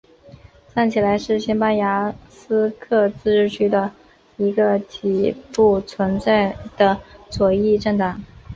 站起来是西班牙巴斯克自治区的一个已不存在的左翼政党。